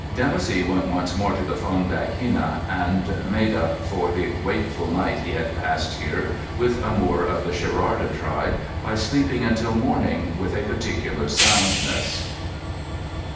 Dimoussi went once more to the Fondak Henna, and made up for the wakeful night he had passed here with a Moor of the Sherarda tribe by sleeping until morning with a particular soundness.